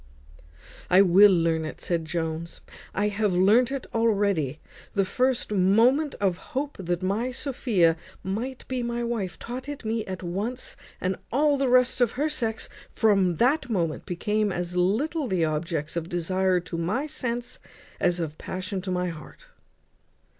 "I will learn it," said Jones. "I have learnt it already. The first moment of hope that my Sophia might be my wife taught it me at once; and all the rest of her sex from that moment became as little the objects of desire to my sense as of passion to my heart."